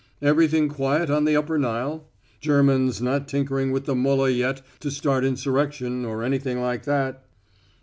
"Everything quiet on the upper Nile? Germans not tinkering with the Mullah yet to start insurrection or anything like that?"